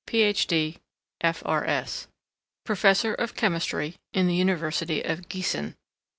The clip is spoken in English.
D., PH. D., F.R.S., PROFESSOR OF CHEMISTRY IN THE UNIVERSITY OF GIESSEN.